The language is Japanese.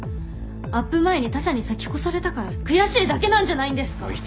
アップ前に他社に先越されたから悔しいだけなんじゃないんですか？